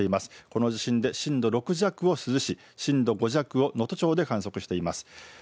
この地震で震度６弱を珠洲市、震度５弱を能登町で観測しています。